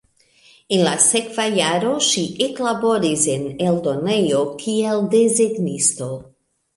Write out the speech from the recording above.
En la sekva jaro ŝi eklaboris en eldonejo, kiel desegnisto.